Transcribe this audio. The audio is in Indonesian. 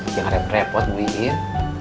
jangan repot bu iin